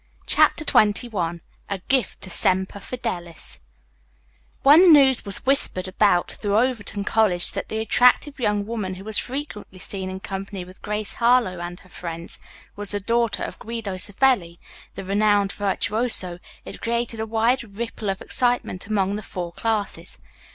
CHAPTER XXI A GIFT TO SEMPER FIDELIS When the news was whispered about through Overton College that the attractive young woman who was frequently seen in company with Grace Harlowe and her friends was the daughter of Guido Savelli, the renowned virtuoso, it created a wide ripple of excitement among the four classes.